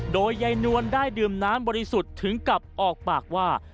โดยยายนวลได้ดื่มน้ำบริสุทธิ์ถึงกับออกปากว่า